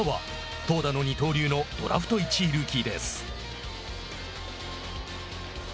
投打の二刀流のドラフト１位ルーキーです。